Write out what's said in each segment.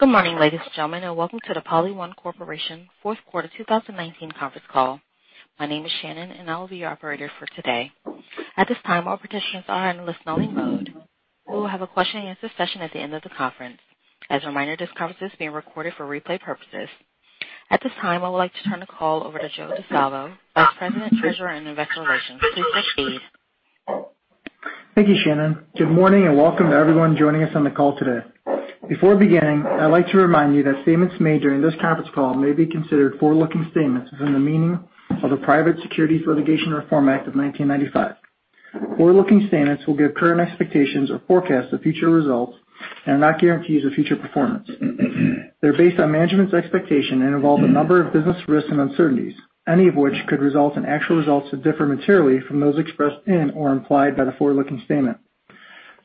Good morning, ladies and gentlemen, welcome to the PolyOne Corporation Q4 2019 conference call. My name is Shannon, and I will be your operator for today. At this time, all participants are in listen-only mode. We will have a question and answer session at the end of the conference. As a reminder, this conference is being recorded for replay purposes. At this time, I would like to turn the call over to Joe Di Salvo, Vice President, Treasurer, and Investor Relations. Please proceed. Thank you, Shannon. Good morning, and welcome to everyone joining us on the call today. Before beginning, I'd like to remind you that statements made during this conference call may be considered forward-looking statements within the meaning of the Private Securities Litigation Reform Act of 1995. Forward-looking statements will give current expectations or forecasts of future results and are not guarantees of future performance. They're based on management's expectation and involve a number of business risks and uncertainties, any of which could result in actual results that differ materially from those expressed in or implied by the forward-looking statement.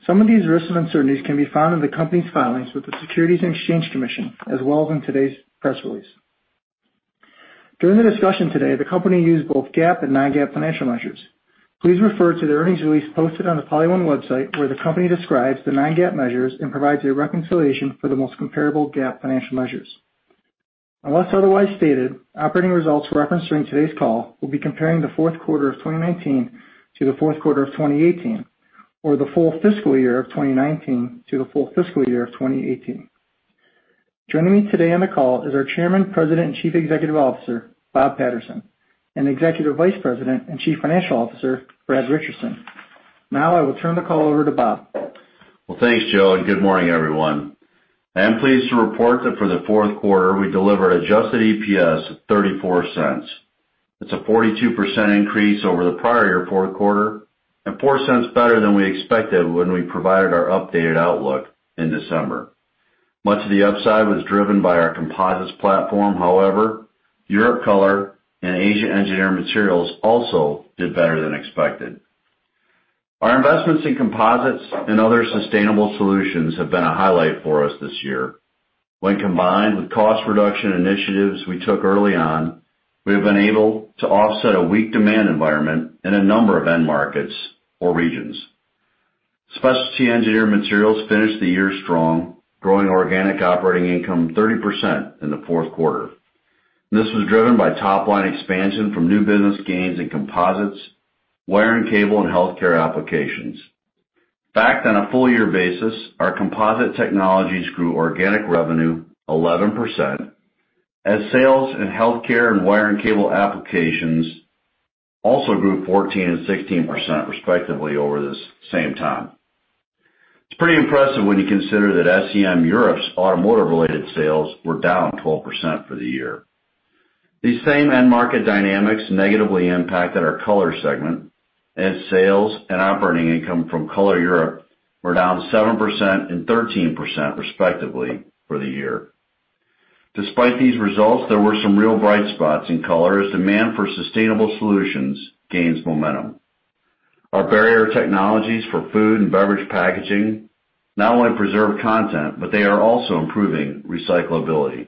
Some of these risks and uncertainties can be found in the company's filings with the Securities and Exchange Commission, as well as in today's press release. During the discussion today, the company used both GAAP and non-GAAP financial measures. Please refer to the earnings release posted on the PolyOne website, where the company describes the non-GAAP measures and provides a reconciliation for the most comparable GAAP financial measures. Unless otherwise stated, operating results referenced during today's call will be comparing the Q4 of 2019 to the Q4 of 2018, or the full fiscal year of 2019 to the full fiscal year of 2018. Joining me today on the call is our Chairman, President, and Chief Executive Officer, Bob Patterson, and Executive Vice President and Chief Financial Officer, Brad Richardson. Now, I will turn the call over to Bob. Well, thanks, Joe. Good morning, everyone. I am pleased to report that for the Q4, we delivered adjusted EPS of $0.34. It's a 42% increase over the prior year Q4 and $0.04 better than we expected when we provided our updated outlook in December. Much of the upside was driven by our composites platform. Europe Color and Asia Engineered Materials also did better than expected. Our investments in composites and other sustainable solutions have been a highlight for us this year. When combined with cost reduction initiatives we took early on, we have been able to offset a weak demand environment in a number of end markets or regions. Specialty Engineered Materials finished the year strong, growing organic operating income 30% in the Q4. This was driven by top-line expansion from new business gains in composites, wire and cable, and healthcare applications. Backed on a full year basis, our composite technologies grew organic revenue 11%, as sales in healthcare and wire and cable applications also grew 14% and 16%, respectively, over the same time. It's pretty impressive when you consider that SEM Europe's automotive-related sales were down 12% for the year. These same end market dynamics negatively impacted our Color segment, as sales and operating income from Color Europe were down 7% and 13%, respectively, for the year. Despite these results, there were some real bright spots in Color as demand for sustainable solutions gains momentum. Our barrier technologies for food and beverage packaging not only preserve content, but they are also improving recyclability.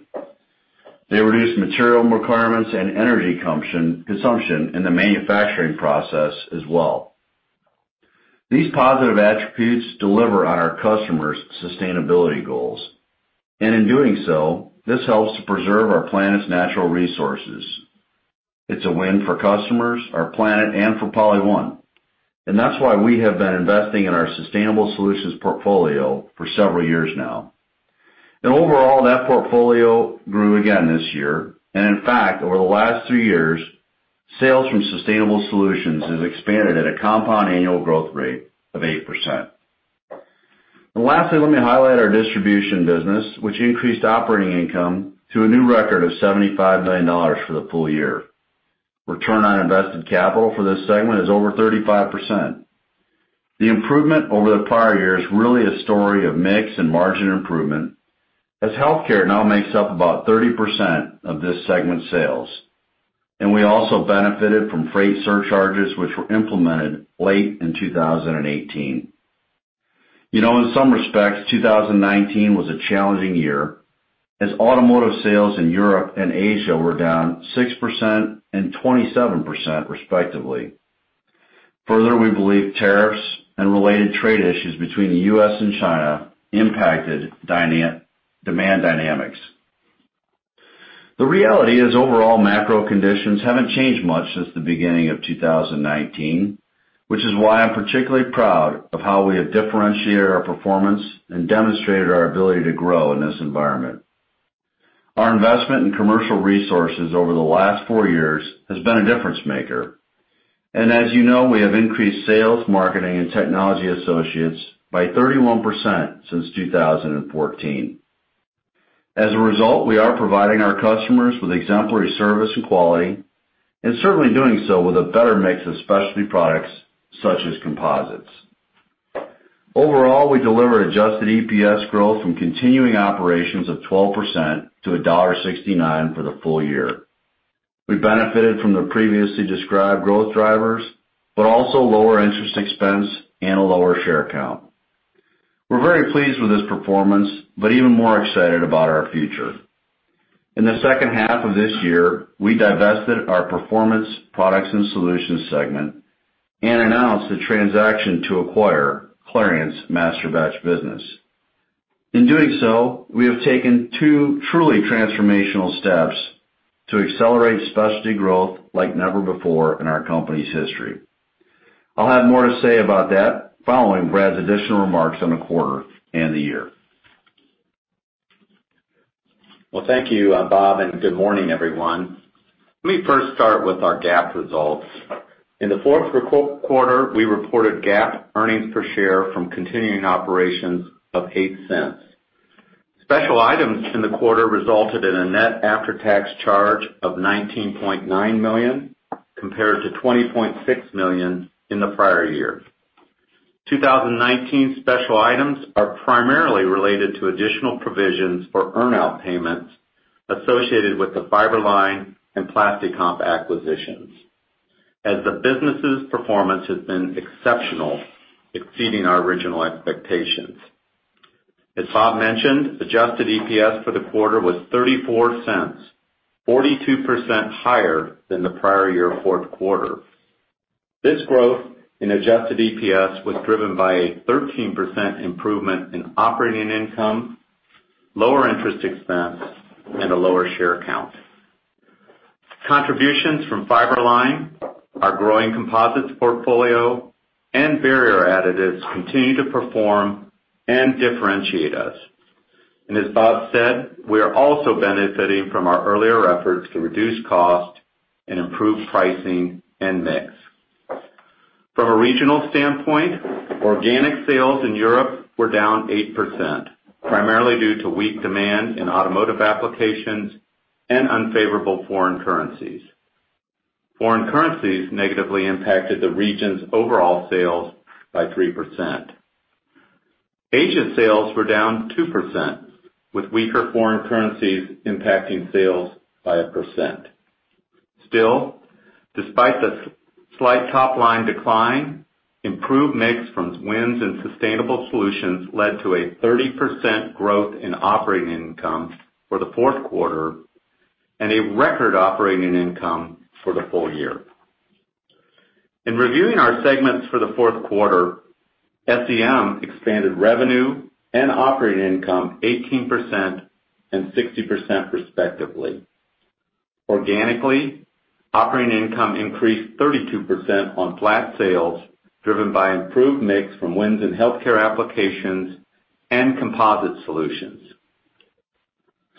They reduce material requirements and energy consumption in the manufacturing process as well. These positive attributes deliver on our customers' sustainability goals, and in doing so, this helps to preserve our planet's natural resources. It's a win for customers, our planet, and for PolyOne. That's why we have been investing in our sustainable solutions portfolio for several years now. Overall, that portfolio grew again this year. In fact, over the last three years, sales from sustainable solutions has expanded at a compound annual growth rate of 8%. Lastly, let me highlight our distribution business, which increased operating income to a new record of $75 million for the full year. Return on invested capital for this segment is over 35%. The improvement over the prior year is really a story of mix and margin improvement, as healthcare now makes up about 30% of this segment's sales. We also benefited from freight surcharges, which were implemented late in 2018. You know, in some respects, 2019 was a challenging year, as automotive sales in Europe and Asia were down 6% and 27%, respectively. Further, we believe tariffs and related trade issues between the U.S. and China impacted demand dynamics. The reality is overall macro conditions haven't changed much since the beginning of 2019, which is why I'm particularly proud of how we have differentiated our performance and demonstrated our ability to grow in this environment. Our investment in commercial resources over the last four years has been a difference maker, and as you know, we have increased sales, marketing, and technology associates by 31% since 2014. As a result, we are providing our customers with exemplary service and quality, and certainly doing so with a better mix of specialty products such as composites. Overall, we delivered adjusted EPS growth from continuing operations of 12% to $1.69 for the full year. We benefited from the previously described growth drivers, but also lower interest expense and a lower share count. We're very pleased with this performance, but even more excited about our future. In the H2 of this year, we divested our Performance Products and Solutions segment and announced the transaction to acquire Clariant's masterbatch business. In doing so, we have taken two truly transformational steps to accelerate specialty growth like never before in our company's history. I'll have more to say about that following Brad's additional remarks on the quarter and the year. Well, thank you, Bob, and good morning, everyone. Let me first start with our GAAP results. In the Q4, we reported GAAP earnings per share from continuing operations of $0.08. Special items in the quarter resulted in a net after-tax charge of $19.9 million, compared to $20.6 million in the prior year. 2019 special items are primarily related to additional provisions for earn-out payments associated with the Fiber-Line and PlastiComp acquisitions, as the business's performance has been exceptional, exceeding our original expectations. As Bob mentioned, adjusted EPS for the quarter was $0.34, 42% higher than the prior year Q4. This growth in adjusted EPS was driven by a 13% improvement in operating income, lower interest expense, and a lower share count. Contributions from Fiber-Line, our growing composites portfolio, and barrier additives continue to perform and differentiate us. As Bob said, we are also benefiting from our earlier efforts to reduce cost and improve pricing and mix. From a regional standpoint, organic sales in Europe were down 8%, primarily due to weak demand in automotive applications and unfavorable foreign currencies. Foreign currencies negatively impacted the region's overall sales by 3%. Asia sales were down 2%, with weaker foreign currencies impacting sales by 1%. Still, despite the slight top-line decline, improved mix from wins in sustainable solutions led to a 30% growth in operating income for the Q4 and a record operating income for the full year. In reviewing our segments for the Q4, SEM expanded revenue and operating income 18% and 60%, respectively. Organically, operating income increased 32% on flat sales, driven by improved mix from wins in healthcare applications and composite solutions.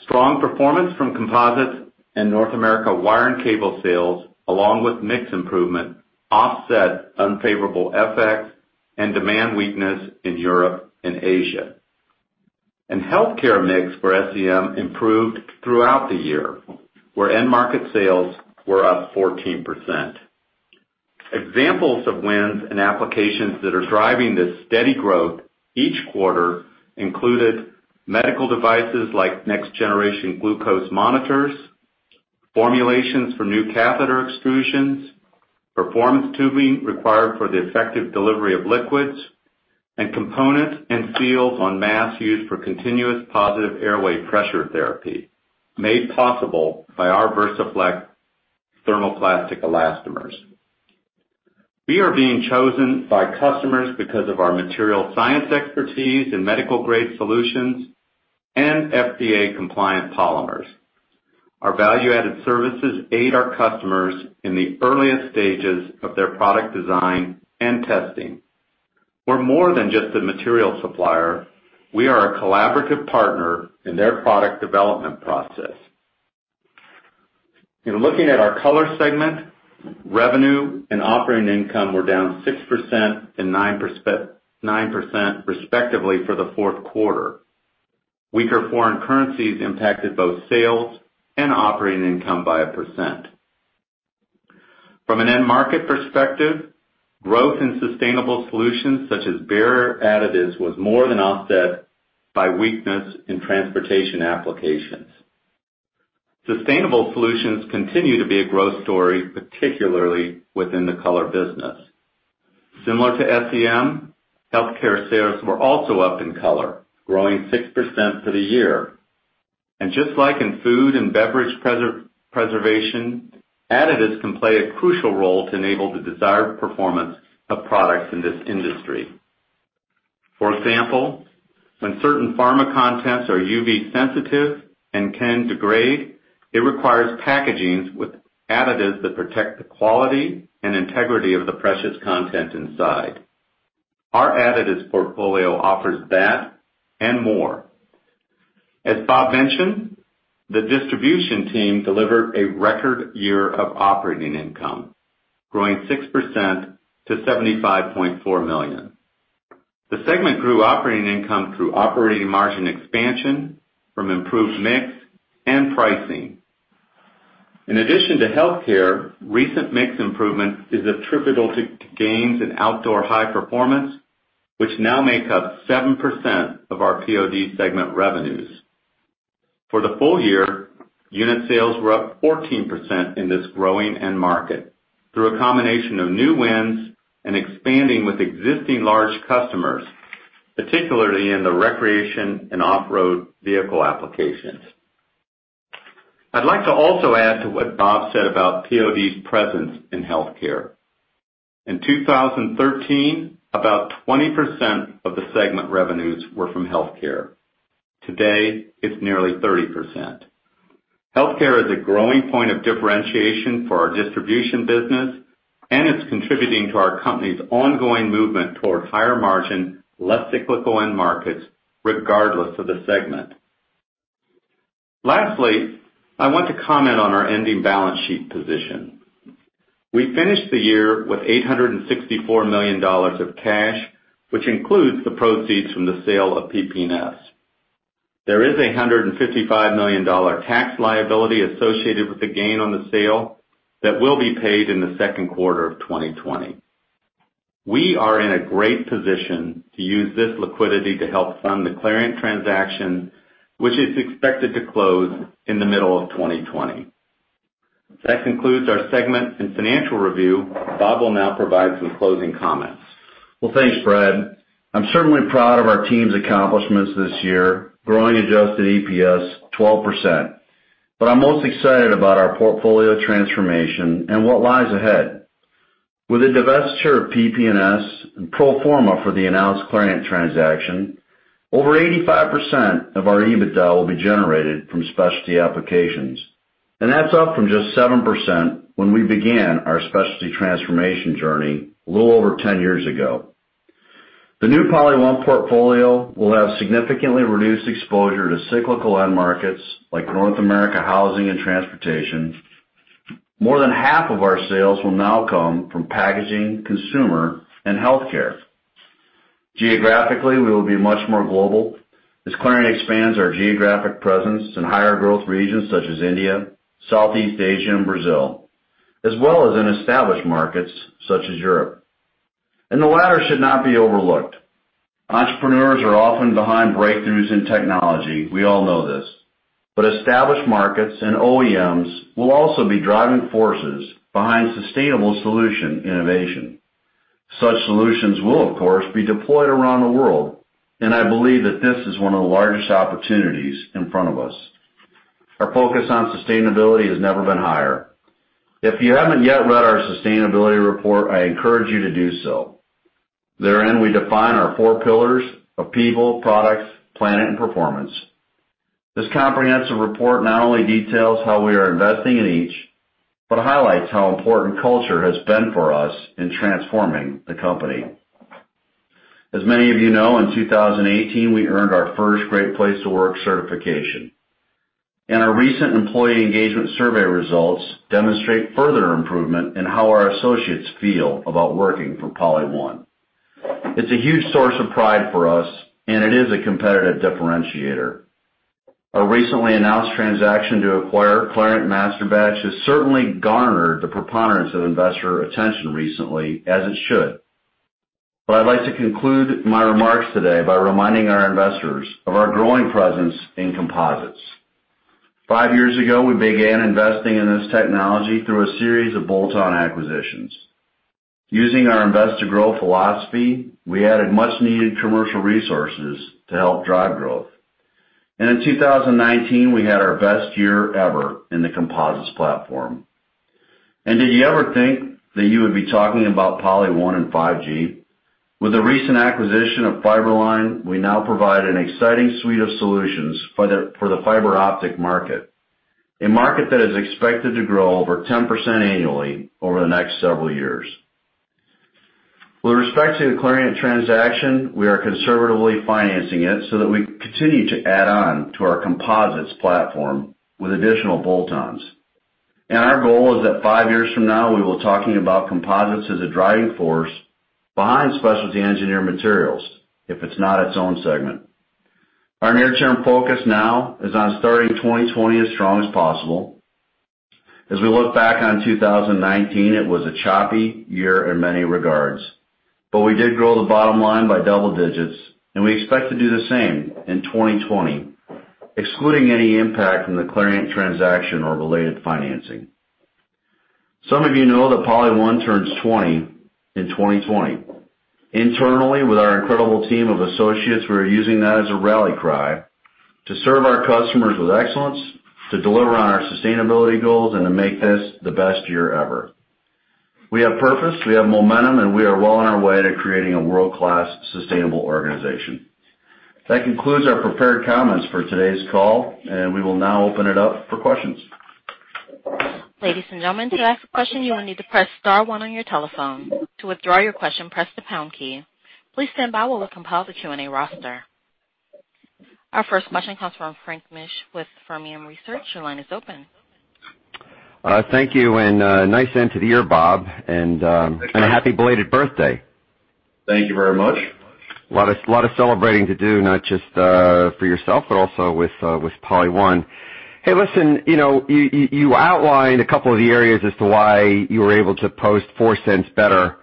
Strong performance from composites and North America wire and cable sales, along with mix improvement, offset unfavorable FX and demand weakness in Europe and Asia. Healthcare mix for SEM improved throughout the year, where end market sales were up 14%. Examples of wins and applications that are driving this steady growth each quarter included medical devices like next generation glucose monitors, formulations for new catheter extrusions, performance tubing required for the effective delivery of liquids, and components and seals on masks used for continuous positive airway pressure therapy, made possible by our VersaFlex thermoplastic elastomers. We are being chosen by customers because of our material science expertise in medical-grade solutions and FDA-compliant polymers. Our value-added services aid our customers in the earliest stages of their product design and testing. We're more than just a material supplier. We are a collaborative partner in their product development process. In looking at our Color segment, revenue and operating income were down 6% and 9%, respectively, for the Q4. Weaker foreign currencies impacted both sales and operating income by 1%. From an end market perspective, growth in sustainable solutions such as barrier additives was more than offset by weakness in transportation applications. Sustainable solutions continue to be a growth story, particularly within the Color business. Similar to SEM, healthcare sales were also up in Color, growing 6% for the year. Just like in food and beverage preservation, additives can play a crucial role to enable the desired performance of products in this industry. For example, when certain pharma contents are UV sensitive and can degrade, it requires packaging with additives that protect the quality and integrity of the precious content inside. Our additives portfolio offers that and more. As Bob mentioned, the distribution team delivered a record year of operating income, growing 6% to $75.4 million. The segment grew operating income through operating margin expansion from improved mix and pricing. In addition to healthcare, recent mix improvement is attributable to gains in outdoor high performance, which now make up 7% of our POD segment revenues. For the full year, unit sales were up 14% in this growing end market through a combination of new wins and expanding with existing large customers. Particularly in the recreation and off-road vehicle applications. I'd like to also add to what Bob said about POD's presence in healthcare. In 2013, about 20% of the segment revenues were from healthcare. Today, it's nearly 30%. Healthcare is a growing point of differentiation for our distribution business, and it's contributing to our company's ongoing movement towards higher margin, less cyclical end markets regardless of the segment. Lastly, I want to comment on our ending balance sheet position. We finished the year with $864 million of cash, which includes the proceeds from the sale of PP&S. There is a $155 million tax liability associated with the gain on the sale that will be paid in the Q2 of 2020. We are in a great position to use this liquidity to help fund the Clariant transaction, which is expected to close in the middle of 2020. That concludes our segment and financial review. Bob will now provide some closing comments. Well, thanks, Brad. I'm certainly proud of our team's accomplishments this year, growing adjusted EPS 12%. I'm most excited about our portfolio transformation and what lies ahead. With the divestiture of PP&S and pro forma for the announced Clariant transaction, over 85% of our EBITDA will be generated from specialty applications. That's up from just 7% when we began our specialty transformation journey a little over 10 years ago. The new PolyOne portfolio will have significantly reduced exposure to cyclical end markets like North America housing and transportation. More than half of our sales will now come from packaging, consumer, and healthcare. Geographically, we will be much more global as Clariant expands our geographic presence in higher growth regions such as India, Southeast Asia, and Brazil, as well as in established markets such as Europe. The latter should not be overlooked. Entrepreneurs are often behind breakthroughs in technology, we all know this. Established markets and OEMs will also be driving forces behind sustainable solution innovation. Such solutions will, of course, be deployed around the world, and I believe that this is one of the largest opportunities in front of us. Our focus on sustainability has never been higher. If you haven't yet read our sustainability report, I encourage you to do so. Therein, we define our four pillars of people, products, planet, and performance. This comprehensive report not only details how we are investing in each, but highlights how important culture has been for us in transforming the company. As many of you know, in 2018, we earned our first Great Place to Work certification. Our recent employee engagement survey results demonstrate further improvement in how our associates feel about working for PolyOne. It's a huge source of pride for us, and it is a competitive differentiator. Our recently announced transaction to acquire Clariant Masterbatches has certainly garnered the preponderance of investor attention recently, as it should. I'd like to conclude my remarks today by reminding our investors of our growing presence in composites. Five years ago, we began investing in this technology through a series of bolt-on acquisitions. Using our invest to grow philosophy, we added much needed commercial resources to help drive growth. In 2019, we had our best year ever in the composites platform. Did you ever think that you would be talking about PolyOne and 5G? With the recent acquisition of Fiber-Line, we now provide an exciting suite of solutions for the fiber optic market, a market that is expected to grow over 10% annually over the next several years. With respect to the Clariant transaction, we are conservatively financing it so that we continue to add on to our composites platform with additional bolt-ons. Our goal is that five years from now, we will be talking about composites as a driving force behind specialty engineered materials, if it's not its own segment. Our near-term focus now is on starting 2020 as strong as possible. As we look back on 2019, it was a choppy year in many regards, but we did grow the bottom line by double digits, and we expect to do the same in 2020, excluding any impact from the Clariant transaction or related financing. Some of you know that PolyOne turns 20 in 2020. Internally, with our incredible team of associates, we're using that as a rally cry to serve our customers with excellence, to deliver on our sustainability goals, and to make this the best year ever. We have purpose, we have momentum, and we are well on our way to creating a world-class sustainable organization. That concludes our prepared comments for today's call, and we will now open it up for questions. Ladies and gentlemen, to ask a question, you will need to press star one on your telephone. To withdraw your question, press the pound key. Please stand by while we compile the Q&A roster. Our first question comes from Frank Mitsch with Fermium Research. Your line is open. Thank you, and nice end to the year, Bob. Thanks, Frank. A happy belated birthday. Thank you very much. A lot of celebrating to do, not just for yourself, but also with PolyOne. Hey, listen, you outlined a couple of the areas as to why you were able to post $0.04 better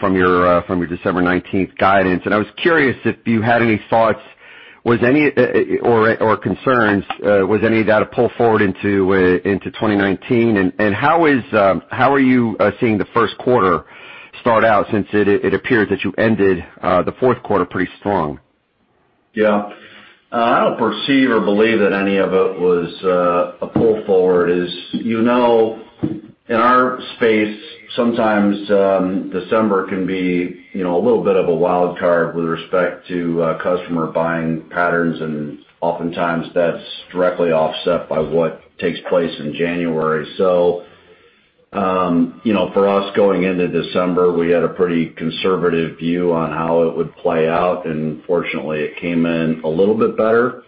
from your December 19th guidance. I was curious if you had any thoughts or concerns, was any of that a pull forward into 2019? How are you seeing the Q1 start out since it appeared that you ended the Q4 pretty strong? I don't perceive or believe that any of it was a pull forward. As you know, in our space, sometimes December can be a little bit of a wild card with respect to customer buying patterns, and oftentimes that's directly offset by what takes place in January. For us, going into December, we had a pretty conservative view on how it would play out, and fortunately it came in a little bit better.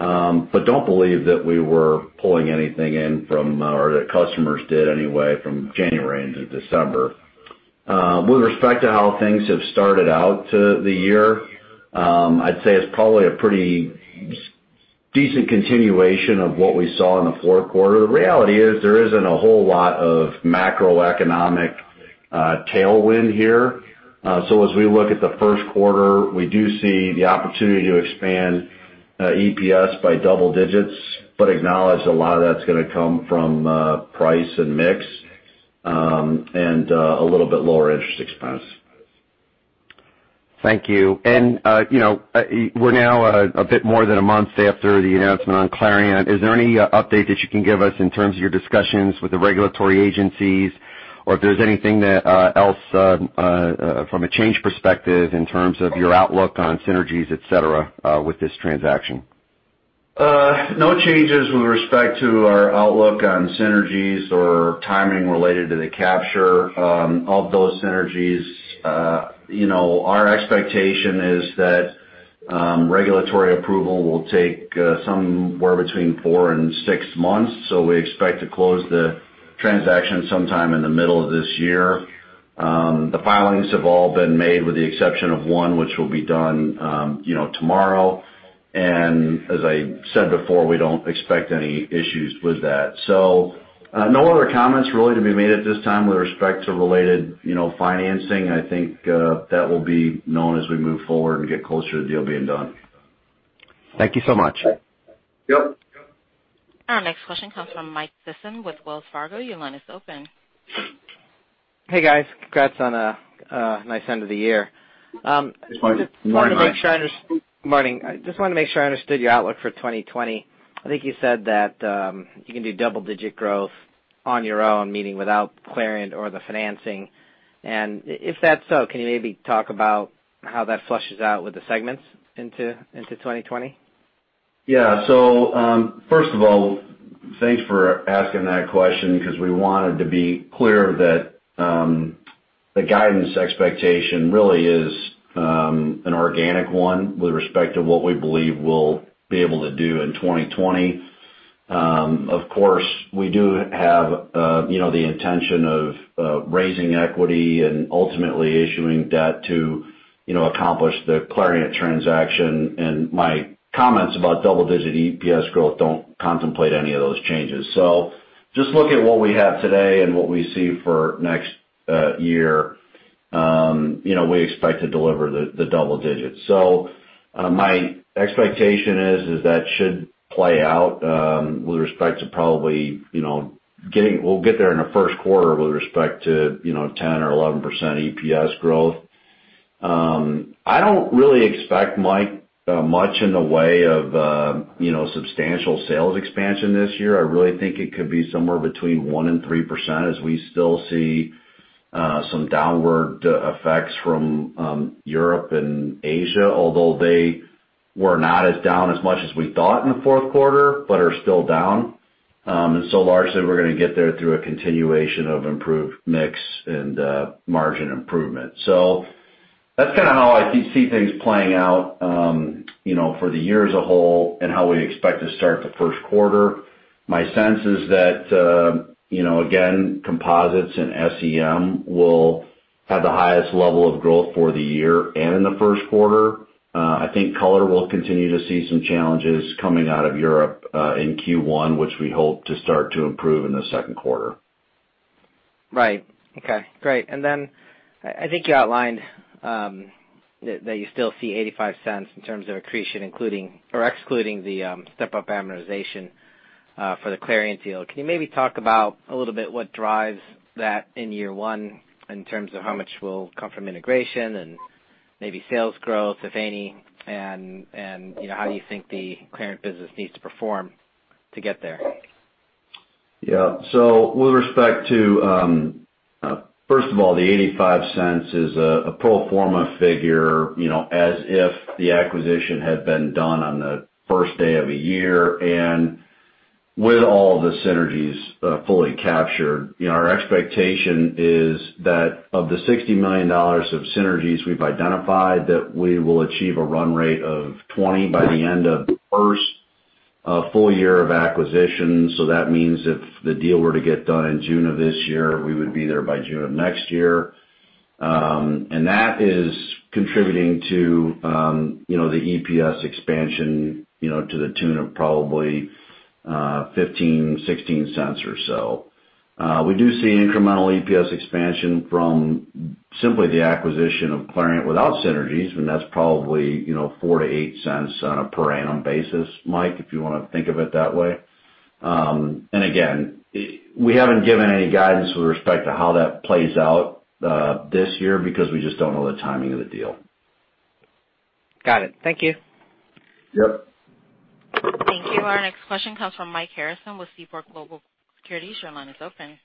Don't believe that we were pulling anything in from or that customers did anyway from January into December. With respect to how things have started out to the year, I'd say it's probably a pretty decent continuation of what we saw in the Q4. The reality is, there isn't a whole lot of macroeconomic tailwind here. As we look at the Q1, we do see the opportunity to expand EPS by double digits, but acknowledge a lot of that's going to come from price and mix, and a little bit lower interest expense. Thank you. We're now a bit more than a month after the announcement on Clariant. Is there any update that you can give us in terms of your discussions with the regulatory agencies, or if there's anything else from a change perspective in terms of your outlook on synergies, et cetera, with this transaction? No changes with respect to our outlook on synergies or timing related to the capture of those synergies. Our expectation is that regulatory approval will take somewhere between four and six months. We expect to close the transaction sometime in the middle of this year. The filings have all been made with the exception of one, which will be done tomorrow. As I said before, we don't expect any issues with that. No other comments really to be made at this time with respect to related financing. I think that will be known as we move forward and get closer to the deal being done. Thank you so much. Yep. Our next question comes from Mike Sison with Wells Fargo. Your line is open. Hey, guys. Congrats on a nice end of the year. Morning, Mike. Morning. I just wanted to make sure I understood your outlook for 2020. I think you said that you can do double-digit growth on your own, meaning without Clariant or the financing. If that's so, can you maybe talk about how that flushes out with the segments into 2020? First of all, thanks for asking that question because we wanted to be clear that the guidance expectation really is an organic one with respect to what we believe we'll be able to do in 2020. Of course, we do have the intention of raising equity and ultimately issuing debt to accomplish the Clariant transaction. My comments about double-digit EPS growth don't contemplate any of those changes. Just looking at what we have today and what we see for next year, we expect to deliver the double digits. My expectation is that should play out, with respect to probably, we'll get there in the Q1 with respect to 10% or 11% EPS growth. I don't really expect, Mike, much in the way of substantial sales expansion this year. I really think it could be somewhere between 1% and 3% as we still see some downward effects from Europe and Asia, although they were not as down as much as we thought in the Q4, but are still down. Largely, we're going to get there through a continuation of improved mix and margin improvement. That's kind of how I see things playing out for the year as a whole and how we expect to start the Q1. My sense is that, again, composites and SEM will have the highest level of growth for the year and in the Q1. I think Color will continue to see some challenges coming out of Europe, in Q1, which we hope to start to improve in the Q2. Right. Okay, great. I think you outlined that you still see $0.85 in terms of accretion, including or excluding the step-up amortization for the Clariant deal. Can you maybe talk about a little bit what drives that in year one in terms of how much will come from integration and maybe sales growth, if any, and how do you think the Clariant business needs to perform to get there? Yeah. With respect to, first of all, the $0.85 is a pro forma figure, as if the acquisition had been done on the first day of a year and with all the synergies fully captured. Our expectation is that of the $60 million of synergies we've identified, that we will achieve a run rate of $20 million by the end of the first full year of acquisition. That means if the deal were to get done in June of this year, we would be there by June of next year. That is contributing to the EPS expansion to the tune of probably $0.15, $0.16 or so. We do see incremental EPS expansion from simply the acquisition of Clariant without synergies, and that's probably $0.04-$0.08 on a per annum basis, Mike, if you want to think of it that way. Again, we haven't given any guidance with respect to how that plays out this year, because we just don't know the timing of the deal. Got it. Thank you. Yep. Thank you. Our next question comes from Mike Harrison with Seaport Global Securities. Your line is open.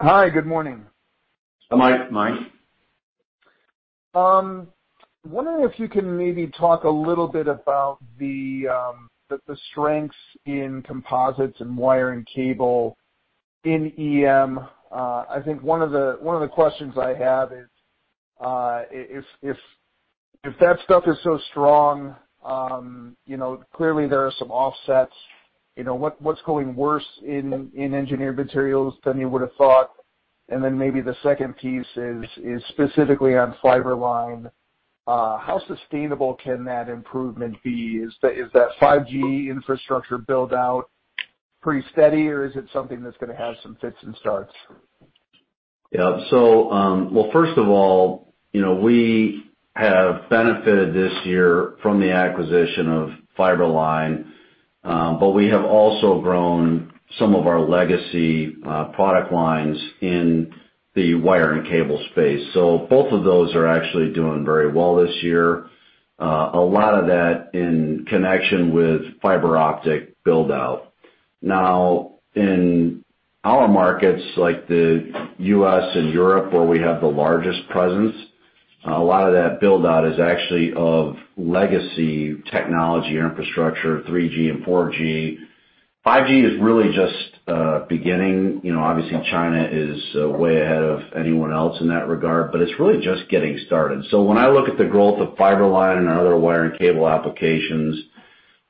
Hi, good morning. Hi, Mike. Wondering if you can maybe talk a little bit about the strengths in composites and wire and cable in EM. I think one of the questions I have is, if that stuff is so strong, clearly there are some offsets. What's going worse in engineered materials than you would've thought? Then maybe the second piece is specifically on Fiber-Line. How sustainable can that improvement be? Is that 5G infrastructure build-out pretty steady, or is it something that's going to have some fits and starts? Well, first of all, we have benefited this year from the acquisition of Fiber-Line, but we have also grown some of our legacy product lines in the wire and cable space. Both of those are actually doing very well this year. A lot of that in connection with fiber optic build-out. Now, in our markets, like the U.S. and Europe, where we have the largest presence, a lot of that build-out is actually of legacy technology or infrastructure, 3G and 4G. 5G is really just beginning. Obviously China is way ahead of anyone else in that regard, but it's really just getting started. When I look at the growth of Fiber-Line and our other wire and cable applications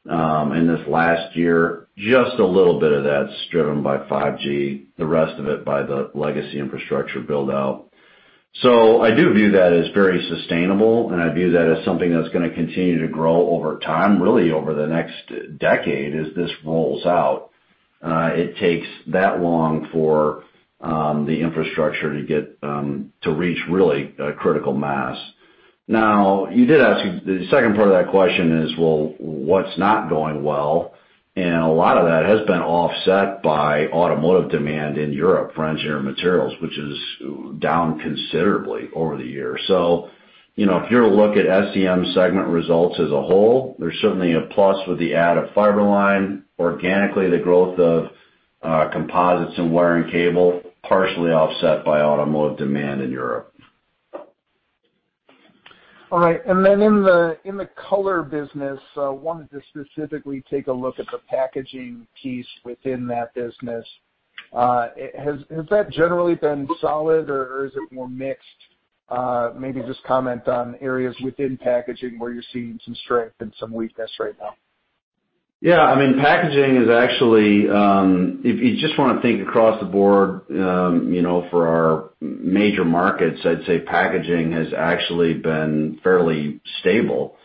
in this last year, just a little bit of that's driven by 5G, the rest of it by the legacy infrastructure build-out. I do view that as very sustainable, and I view that as something that's going to continue to grow over time, really over the next decade, as this rolls out. It takes that long for the infrastructure to reach, really, a critical mass. The second part of that question is, well, what's not going well? A lot of that has been offset by automotive demand in Europe for engineered materials, which is down considerably over the year. If you were to look at SEM segment results as a whole, there's certainly a plus with the add of Fiber-Line. Organically, the growth of composites and wire and cable, partially offset by automotive demand in Europe. All right, in the color business, wanted to specifically take a look at the packaging piece within that business. Has that generally been solid or is it more mixed? Maybe just comment on areas within packaging where you're seeing some strength and some weakness right now. Yeah. If you just want to think across the board for our major markets, I'd say packaging has actually been fairly stable.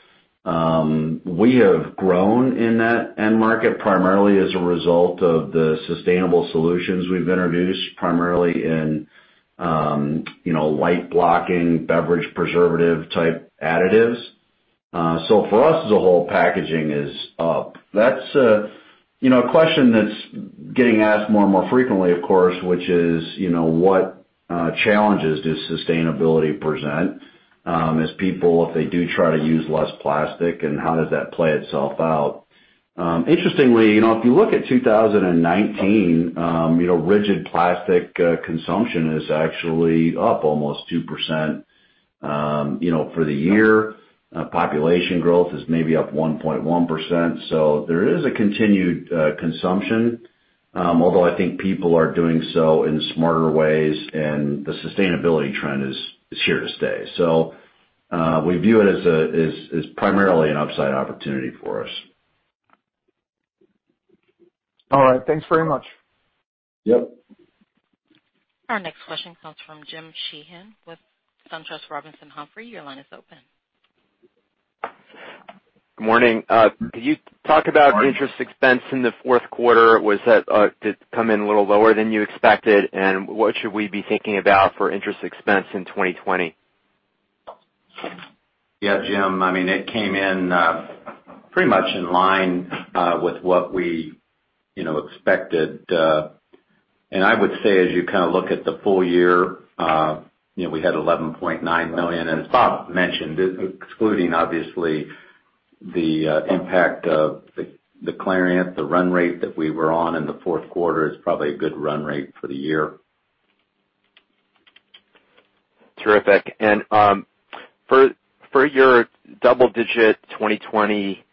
We have grown in that end market primarily as a result of the sustainable solutions we've introduced, primarily in light-blocking beverage preservative type additives. For us as a whole, packaging is up. A question that's getting asked more and more frequently, of course, which is, what challenges does sustainability present as people, if they do try to use less plastic, and how does that play itself out? Interestingly, if you look at 2019, rigid plastic consumption is actually up almost 2% for the year. Population growth is maybe up 1.1%. There is a continued consumption, although I think people are doing so in smarter ways and the sustainability trend is here to stay. We view it as primarily an upside opportunity for us. All right. Thanks very much. Yep. Our next question comes from Jim Sheehan with SunTrust Robinson Humphrey. Your line is open. Good morning. Could you talk about interest expense in the Q4? Did it come in a little lower than you expected? What should we be thinking about for interest expense in 2020? Yeah, Jim, it came in pretty much in line with what we expected. I would say as you look at the full year, we had $11.9 million. As Bob mentioned, excluding obviously the impact of the Clariant, the run rate that we were on in the Q4 is probably a good run rate for the year. Terrific. For your double-digit 2020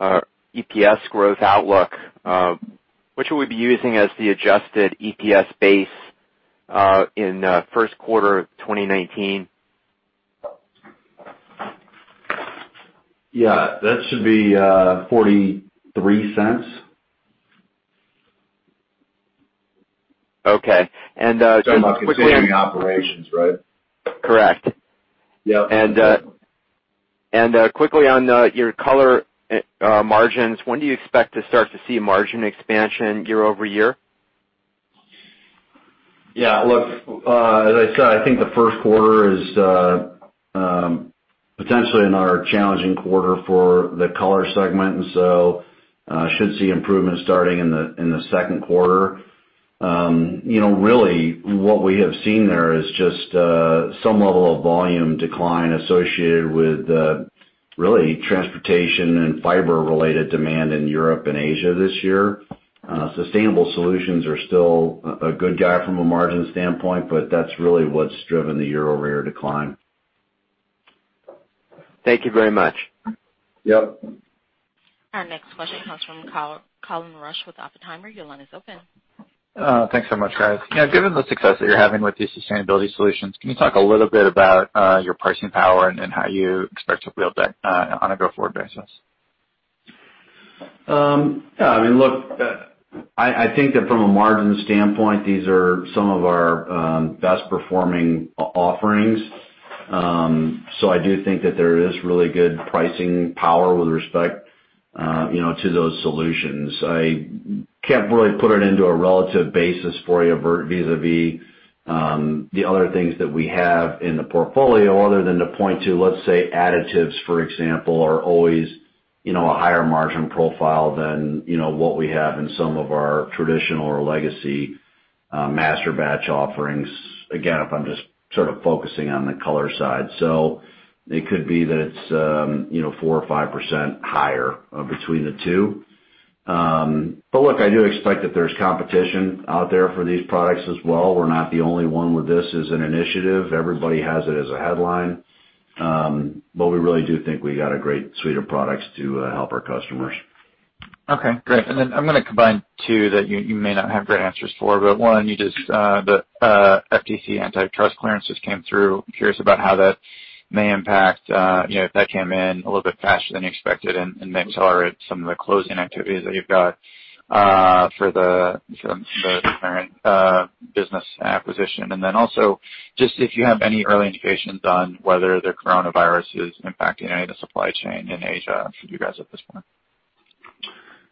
EPS growth outlook, what should we be using as the adjusted EPS base in Q1 2019? Yeah, that should be $0.43. Okay. Talking about continuing operations, right? Correct. Yeah. Quickly on your Color margins, when do you expect to start to see margin expansion year-over-year? Yeah. Look, as I said, I think the Q1 is potentially another challenging quarter for the Color segment, and so should see improvements starting in the Q2. Really what we have seen there is just some level of volume decline associated with really transportation and fiber-related demand in Europe and Asia this year. Sustainable solutions are still a good guy from a margin standpoint, but that's really what's driven the year-over-year decline. Thank you very much. Yep. Our next question comes from Colin Rusch with Oppenheimer. Your line is open. Thanks so much, guys. Given the success that you're having with these sustainability solutions, can you talk a little bit about your pricing power and how you expect to build that on a go-forward basis? Yeah. I think that from a margin standpoint, these are some of our best-performing offerings. I do think that there is really good pricing power with respect to those solutions. I can't really put it into a relative basis for you vis-a-vis the other things that we have in the portfolio other than to point to, let's say, additives, for example, are always a higher margin profile than what we have in some of our traditional or legacy masterbatch offerings. Again, if I'm just sort of focusing on the Color side. It could be that it's 4% or 5% higher between the two. Look, I do expect that there's competition out there for these products as well. We're not the only one with this as an initiative. Everybody has it as a headline. We really do think we got a great suite of products to help our customers. Okay, great. I'm going to combine two that you may not have great answers for. One, the FTC antitrust clearance just came through. I'm curious about how that may impact, if that came in a little bit faster than you expected and may accelerate some of the closing activities that you've got for the current business acquisition. Also, just if you have any early indications on whether the coronavirus is impacting any of the supply chain in Asia for you guys at this point.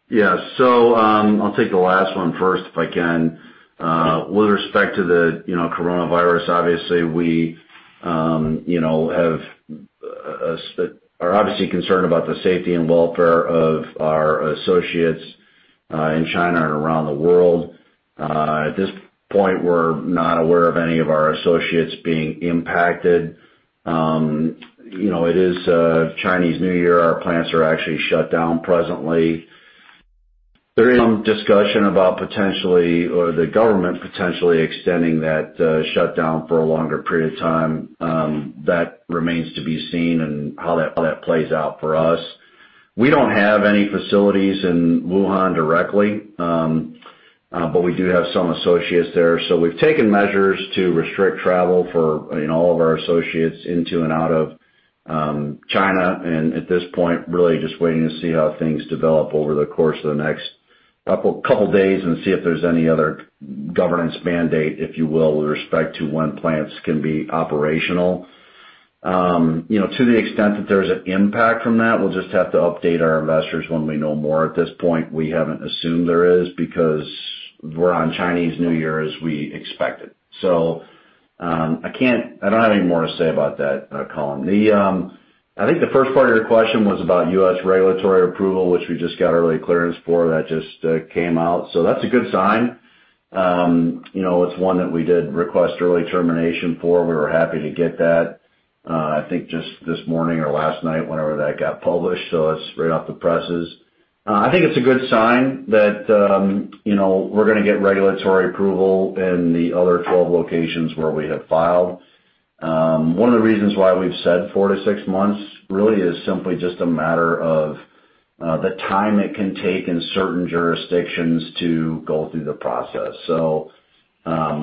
Yeah. I'll take the last one first if I can. With respect to the coronavirus, obviously we are obviously concerned about the safety and welfare of our associates, in China and around the world. At this point, we're not aware of any of our associates being impacted. It is Chinese New Year. Our plants are actually shut down presently. There is some discussion about the government potentially extending that shutdown for a longer period of time. That remains to be seen and how that plays out for us. We don't have any facilities in Wuhan directly. We do have some associates there. We've taken measures to restrict travel for all of our associates into and out of China. At this point, really just waiting to see how things develop over the course of the next couple of days and see if there's any other governance mandate, if you will, with respect to when plants can be operational. To the extent that there's an impact from that, we'll just have to update our investors when we know more. At this point, we haven't assumed there is because we're on Chinese New Year as we expected. I don't have any more to say about that, Colin. I think the first part of your question was about U.S. regulatory approval, which we just got early clearance for. That just came out. That's a good sign. It's one that we did request early termination for. We were happy to get that. I think just this morning or last night, whenever that got published. It's right off the presses. I think it's a good sign that we're going to get regulatory approval in the other 12 locations where we have filed. One of the reasons why we've said four to six months really is simply just a matter of the time it can take in certain jurisdictions to go through the process. We're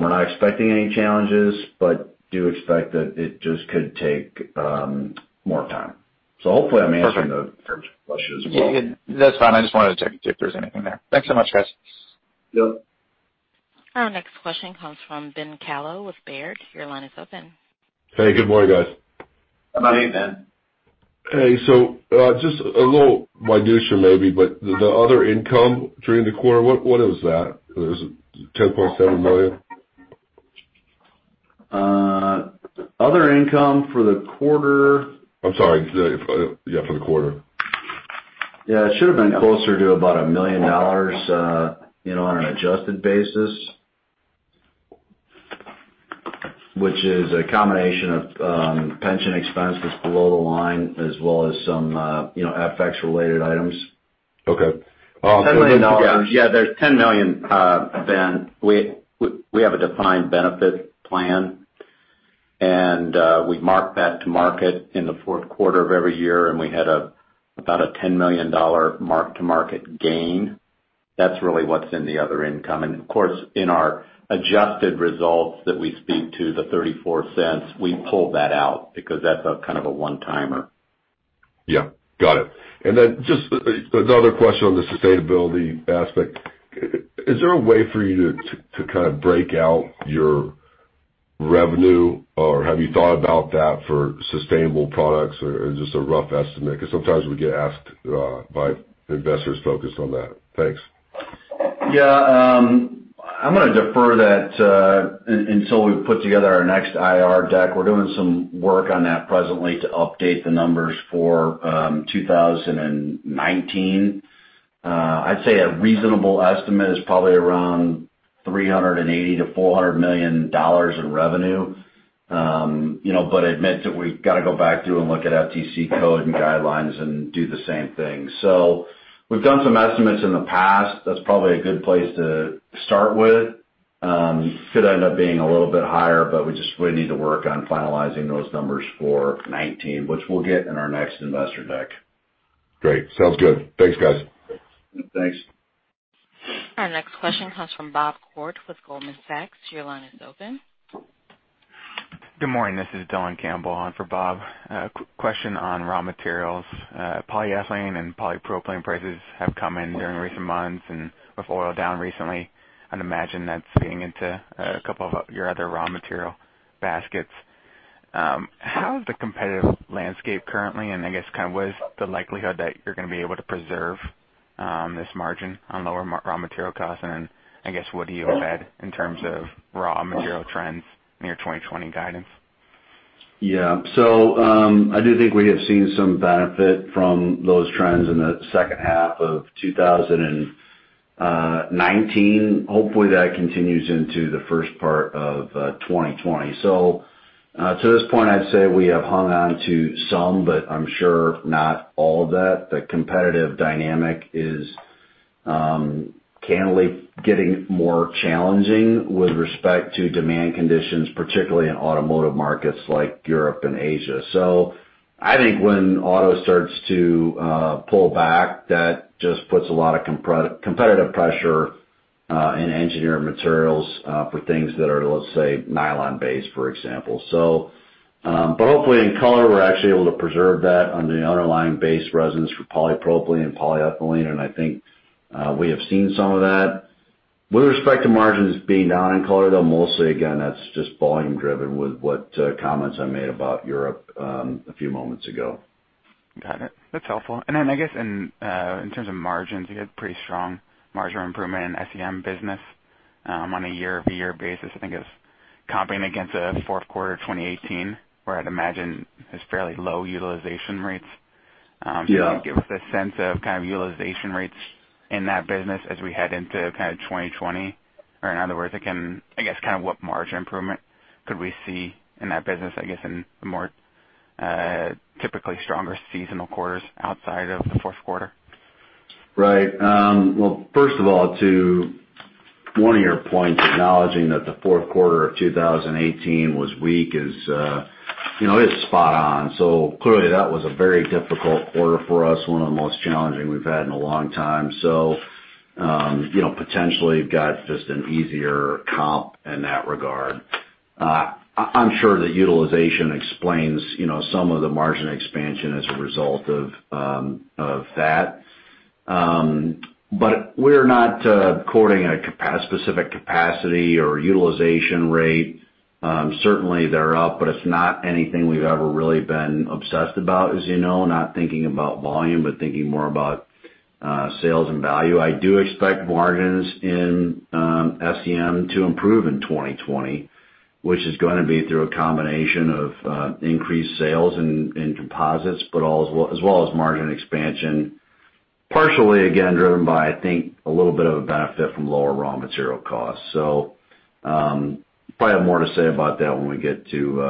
not expecting any challenges, but do expect that it just could take more time. Hopefully I'm answering the first question as well. Yeah. That's fine. I just wanted to check if there's anything there. Thanks so much, guys. Yep. Our next question comes from Ben Kallo with Baird. Your line is open. Hey, good morning, guys. Good morning, Ben. Hey. Just a little minutia maybe, but the other income during the quarter, what is that? Is it $10.7 million? Other income for the quarter? I'm sorry. Yeah, for the quarter. Yeah. It should've been closer to about $1 million on an adjusted basis, which is a combination of pension expense that's below the line as well as some FX related items. Okay. There's $10 million, Ben. We have a defined benefit plan, and we mark that to market in the Q4 of every year, and we had about a $10 million mark-to-market gain. That's really what's in the other income. Of course, in our adjusted results that we speak to, the $0.34, we pull that out because that's kind of a one-timer. Yeah. Got it. Then just another question on the sustainability aspect. Is there a way for you to break out your revenue? Or have you thought about that for sustainable products or just a rough estimate? Because sometimes we get asked by investors focused on that. Thanks. Yeah. I'm going to defer that until we put together our next IR deck. We're doing some work on that presently to update the numbers for 2019. I'd say a reasonable estimate is probably around $380 million-$400 million in revenue. I admit that we got to go back through and look at FTC code and guidelines and do the same thing. We've done some estimates in the past. That's probably a good place to start with. Could end up being a little bit higher, but we just really need to work on finalizing those numbers for 2019, which we'll get in our next investor deck. Great. Sounds good. Thanks, guys. Thanks. Our next question comes from Bob Koort with Goldman Sachs. Your line is open. Good morning. This is Dylan Campbell on for Bob. Question on raw materials. Polyethylene and polypropylene prices have come in during recent months and with oil down recently, I'd imagine that's feeding into a couple of your other raw material baskets. How is the competitive landscape currently? I guess, what is the likelihood that you're going to be able to preserve this margin on lower raw material costs? Then, I guess, what do you have had in terms of raw material trends in your 2020 guidance? Yeah. I do think we have seen some benefit from those trends in the H2 of 2019. Hopefully, that continues into the first part of 2020. To this point, I'd say we have hung on to some, but I'm sure not all of that. The competitive dynamic is candidly getting more challenging with respect to demand conditions, particularly in automotive markets like Europe and Asia. I think when auto starts to pull back, that just puts a lot of competitive pressure in engineering materials for things that are, let's say, nylon based, for example. Hopefully in color, we're actually able to preserve that on the underlying base resins for polypropylene and polyethylene, and I think we have seen some of that. With respect to margins being down in color, though, mostly again, that's just volume driven with what comments I made about Europe a few moments ago. Got it. That's helpful. Then I guess in terms of margins, you had pretty strong margin improvement in SEM business on a year-over-year basis. I think it was comping against a Q4 2018, where I'd imagine it's fairly low utilization rates. Yeah. Can you give us a sense of kind of utilization rates in that business as we head into 2020? In other words, I guess what margin improvement could we see in that business, I guess, in more typically stronger seasonal quarters outside of the Q4? First of all, to one of your points, acknowledging that the Q4 of 2018 was weak is spot on. Clearly that was a very difficult quarter for us, one of the most challenging we've had in a long time. Potentially you've got just an easier comp in that regard. I'm sure the utilization explains some of the margin expansion as a result of that. We're not quoting a specific capacity or utilization rate. Certainly, they're up, it's not anything we've ever really been obsessed about, as you know, not thinking about volume, but thinking more about sales and value. I do expect margins in SEM to improve in 2020, which is going to be through a combination of increased sales in composites, as well as margin expansion, partially, again, driven by, I think, a little bit of a benefit from lower raw material costs. Probably have more to say about that when we get to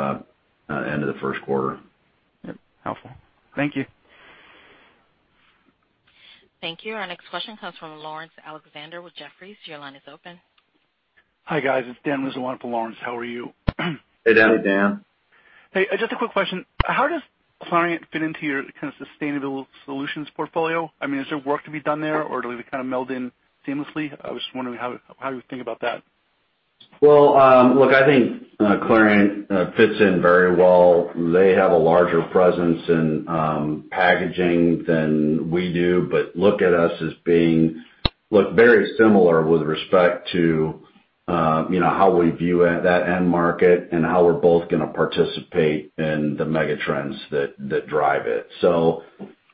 end of the Q1. Yep. Helpful. Thank you. Thank you. Our next question comes from Laurence Alexander with Jefferies. Your line is open. Hi, guys. It's Dan Rizzo for Laurence. How are you? Hey, Dan. Hey, Dan. Hey, just a quick question. How does Clariant fit into your sustainable solutions portfolio? I mean, is there work to be done there, or do they kind of meld in seamlessly? I was just wondering how you think about that. Well, look, I think Clariant fits in very well. They have a larger presence in packaging than we do, but look very similar with respect to how we view that end market and how we're both going to participate in the mega trends that drive it.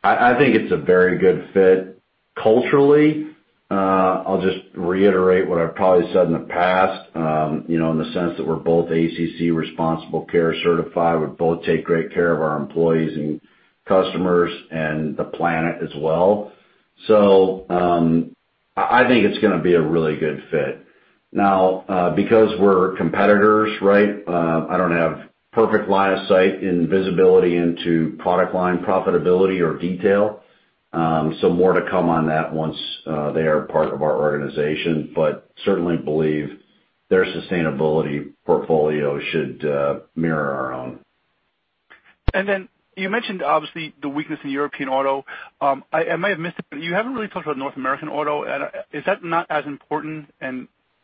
I think it's a very good fit culturally. I'll just reiterate what I've probably said in the past, in the sense that we're both ACC Responsible Care certified. We both take great care of our employees and customers and the planet as well. I think it's going to be a really good fit. Now because we're competitors, I don't have perfect line of sight and visibility into product line profitability or detail. More to come on that once they are part of our organization, but certainly believe their sustainability portfolio should mirror our own. You mentioned, obviously, the weakness in European auto. I might have missed it, but you haven't really talked about North American auto. Is that not as important?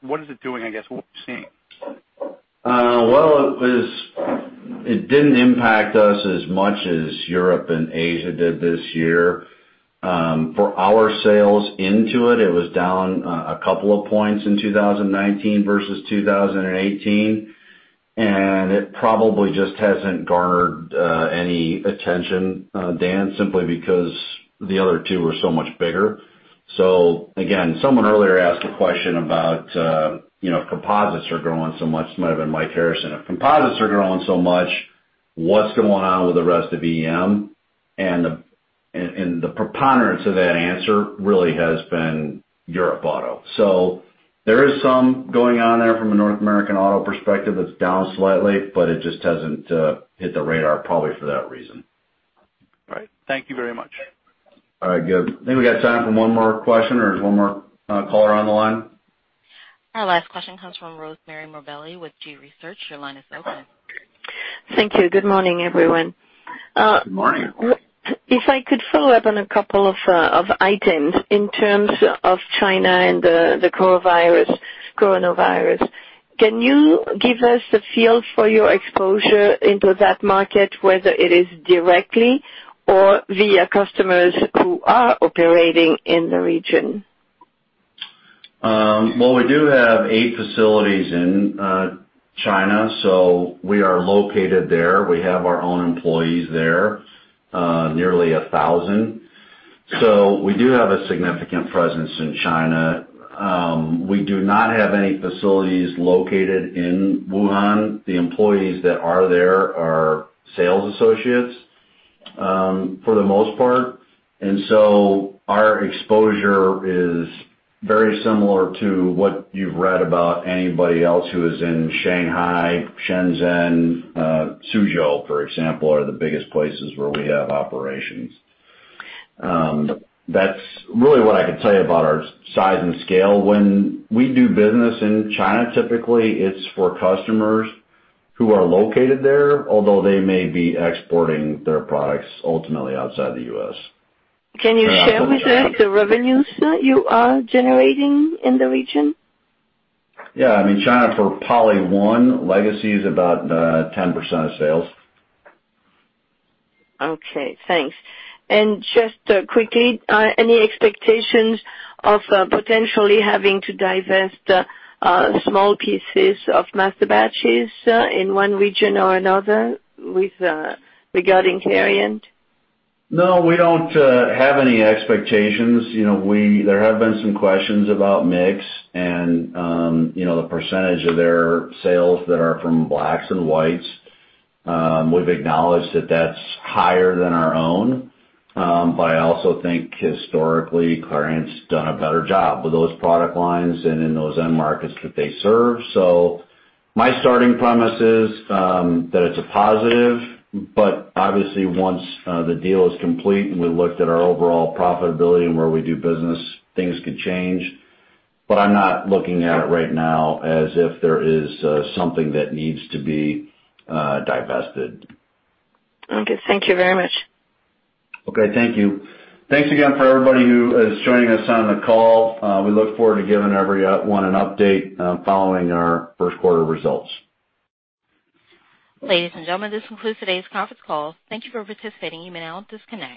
What is it doing, I guess, what we're seeing? Well, it didn't impact us as much as Europe and Asia did this year. For our sales into it was down a couple of points in 2019 versus 2018. It probably just hasn't garnered any attention, Dan, simply because the other two are so much bigger. Again, someone earlier asked a question about composites are growing so much. It might have been Mike Harrison. If composites are growing so much, what's going on with the rest of EM? The preponderance of that answer really has been Europe auto. There is some going on there from a North American auto perspective that's down slightly, but it just hasn't hit the radar probably for that reason. Right. Thank you very much. All right, good. I think we got time for one more question, or is one more caller on the line? Our last question comes from Rosemarie Morbelli with G.research. Your line is open. Thank you. Good morning, everyone. Good morning. If I could follow up on a couple of items in terms of China and the coronavirus, can you give us a feel for your exposure into that market, whether it is directly or via customers who are operating in the region? Well, we do have eight facilities in China. We are located there. We have our own employees there, nearly 1,000. We do have a significant presence in China. We do not have any facilities located in Wuhan. The employees that are there are sales associates, for the most part. Our exposure is very similar to what you've read about anybody else who is in Shanghai, Shenzhen. Suzhou, for example, are the biggest places where we have operations. That's really what I could tell you about our size and scale. When we do business in China, typically, it's for customers who are located there, although they may be exporting their products ultimately outside the U.S. Can you share with us the revenues that you are generating in the region? Yeah. I mean, China for PolyOne, legacy is about 10% of sales. Okay, thanks. Just quickly, any expectations of potentially having to divest small pieces of master batches in one region or another regarding Clariant? No, we don't have any expectations. There have been some questions about mix and the percentage of their sales that are from blacks and whites. We've acknowledged that that's higher than our own. I also think historically, Clariant's done a better job with those product lines and in those end markets that they serve. My starting premise is that it's a positive, but obviously once the deal is complete and we looked at our overall profitability and where we do business, things could change. I'm not looking at it right now as if there is something that needs to be divested. Okay. Thank you very much. Okay, thank you. Thanks again for everybody who is joining us on the call. We look forward to giving everyone an update following our Q1 results. Ladies and gentlemen, this concludes today's conference call. Thank you for participating. You may now disconnect.